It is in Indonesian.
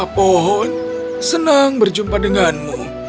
pohon senang berjumpa denganmu